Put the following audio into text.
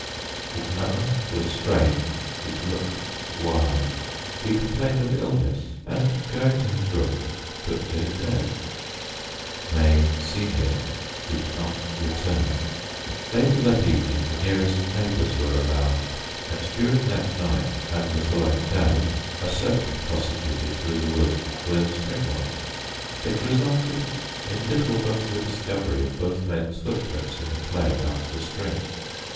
His manner was strange, his look wild. He complained of illness, and going to his room took to his bed. May senior did not return. Later that evening the nearest neighbors were aroused, and during that night and the following day a search was prosecuted through the wood where the spring was. It resulted in little but the discovery of both men's footprints in the clay about the spring.